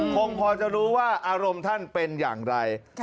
คงพอจะรู้ว่าอารมณ์ท่านเป็นอย่างไร